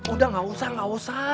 udah nggak usah nggak usah